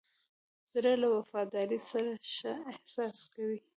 زړه له وفادارۍ سره ښه احساس کوي.